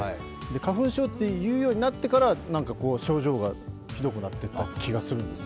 花粉症というようになってから症状がひどくなっていった気がするんです。